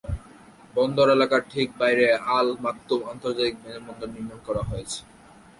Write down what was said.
বন্দর এলাকার ঠিক বাইরে আল মাকতুম আন্তর্জাতিক বিমানবন্দর নির্মাণ করা হয়েছে।